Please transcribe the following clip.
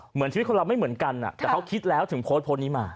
เหมือนชีวิตคนเราไม่เหมือนกันแต่เขาคิดแล้วถึงโพสต์โพสต์นี้มา